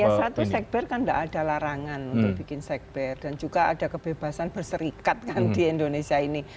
ya satu sekber kan tidak ada larangan untuk bikin sekber dan juga ada kebebasan berserikat kan di indonesia ini